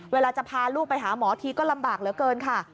เวลาจะพาลูกไปหาหมอทีก็ลำบากเหลือเกินค่ะ